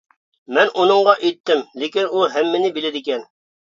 مەن ئۇنىڭغا ئېيتتىم، لېكىن ئۇ ھەممىنى بىلىدىكەن.